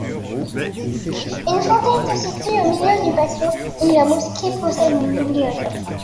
Une fontaine se situe au milieu du patio et la mosquée possède une bibliothèque.